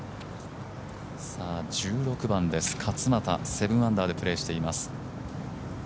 １６番です、勝俣７アンダーでプレーしています。